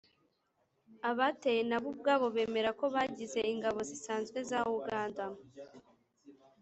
abateye na bo ubwabo bemera ko bagize ingabo zisanzwe za uganda